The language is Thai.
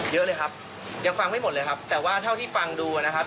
เยอะเลยครับยังฟังไม่หมดเลยครับแต่ว่าเท่าที่ฟังดูนะครับ